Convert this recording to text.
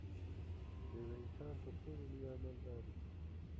د یوه انسان تر ټولو لوی عمل دا دی.